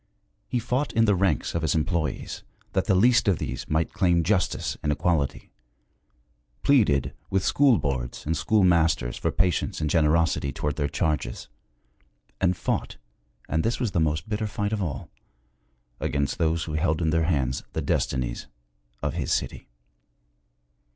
He fought in the ranks of his employees, that the least of these might claim justice and equality; pleaded with school boards and schoolmasters for patience and generosity toward their charges; and fought and this was the most bitter fight of all against those who held in their hands the destinies of his city.